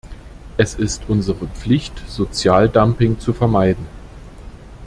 Es ist unsere Pflicht, Sozialdumping zu vermeiden.